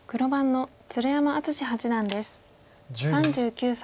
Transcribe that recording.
３９歳。